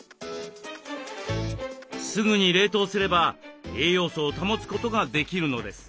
すぐに冷凍すれば栄養素を保つことができるのです。